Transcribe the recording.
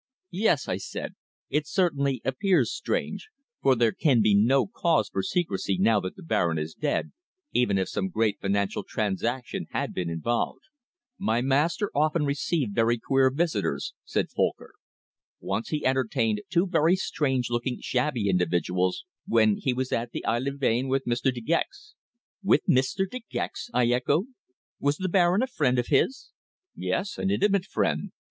"Yes," I said. "It certainly appears strange, for there can be no cause for secrecy now that the Baron is dead, even if some great financial transaction had been involved." "My master often received very queer visitors," said Folcker. "Once he entertained two very strange looking shabby individuals when he was at Aix les Bains with Mr. De Gex." "With Mr. De Gex!" I echoed. "Was the Baron a friend of his?" "Yes, an intimate friend.